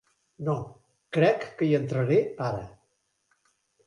No, crec que hi entraré ara.